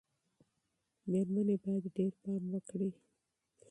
مېرمنې باید ډېر پام وکړي.